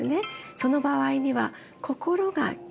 その場合には心が原因。